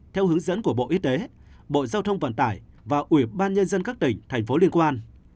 theo hướng dẫn của bộ y tế bộ giao thông vận tải và ubnd các tỉnh thành phố liên quan